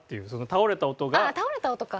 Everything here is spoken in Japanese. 倒れた音か。